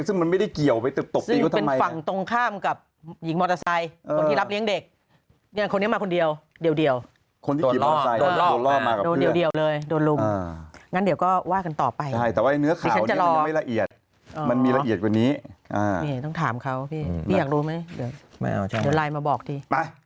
ซึ่งมันไม่ได้เกี่ยวไปตกตี